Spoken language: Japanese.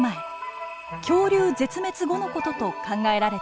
恐竜絶滅後の事と考えられています。